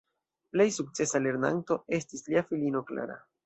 Plej sukcesa lernanto estis lia filino Clara.